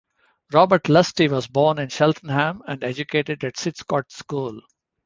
Robert Lusty was born in Cheltenham and educated at Sidcot School.